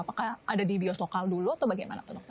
apakah ada di bios lokal dulu atau bagaimana